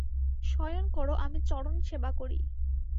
শয়ন কর আমি চরণ সেবা করি।